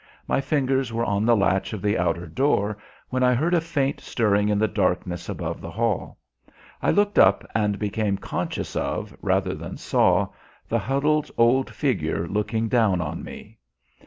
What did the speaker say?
My fingers were on the latch of the outer door when I heard a faint stirring in the darkness above the hall. I looked up and became conscious of, rather than saw, the huddled old figure looking down on me.